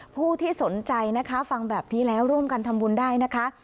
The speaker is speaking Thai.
ผู้ที่สนใจนะคะฟังแบบนี้แล้วร่วมกันทำบุญได้นะคะ